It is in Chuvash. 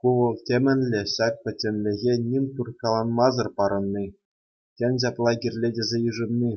Ку вӑл темӗнле ҫак пӗчченлӗхе ним турткаланмасӑр парӑнни, тен ҫапла кирлӗ тесе йышӑнни.